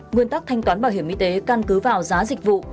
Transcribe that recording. nguyên tắc thanh toán bảo hiểm y tế căn cứ vào giá dịch vụ